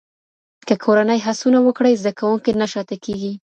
که کورنۍ هڅونه وکړي، زده کوونکی نه شاته کېږي.